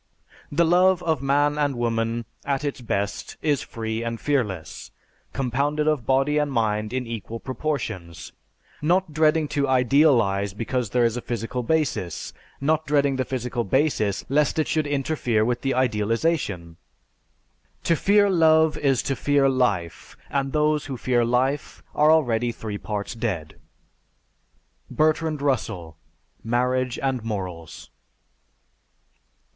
"The love of man and woman at its best is free and fearless, compounded of body and mind in equal proportions, not dreading to idealize because there is a physical basis, not dreading the physical basis lest it should interfere with the idealization. To fear love is to fear life and those who fear life are already three parts dead." (_Bertrand Russell: "Marriage and Morals."